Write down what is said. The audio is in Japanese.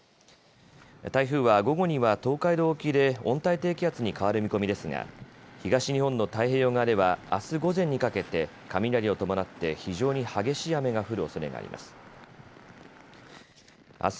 台風は午後には東海道沖で温帯低気圧に変わる見込みですが東日本の太平洋側ではあす午前にかけて雷を伴って非常に激しい雨が降るおそれがあります。